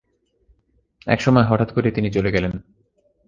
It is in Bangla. একসময় হঠাৎ করেই তিনি চলে গেলেন।